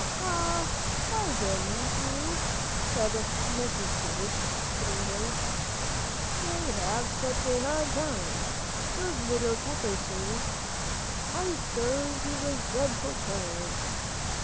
"Oh, Pa, why didn't you?" said Mrs. Peters, pityingly, "they have such a hard time, those little Pepperses. I s'pose he was dreadful tired."